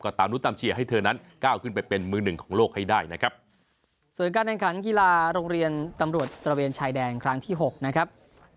ก็ตามนุษย์ตามเชียร์ให้เธอนั้นก้าวขึ้นไปเป็นมือหนึ่งของโลกให้ได้นะครับ